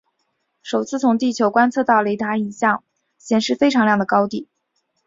首次从地球观测到的雷达影像显示非常亮的高地。